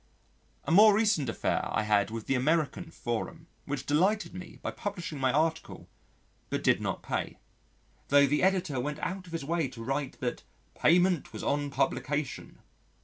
A more recent affair I had with the American Forum, which delighted me by publishing my article, but did not pay tho' the Editor went out of his way to write that "payment was on publication."